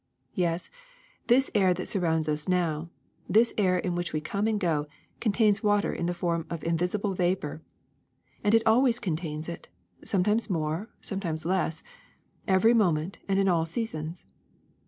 Yes, this air that surrounds us now, this air in which we come and go, contains water in the form of invisible vapor; and it always contains it, some times more, sometimes less, every moment and in all seasons.